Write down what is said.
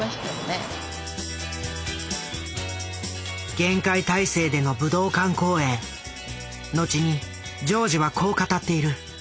厳戒態勢での武道館公演後にジョージはこう語っている。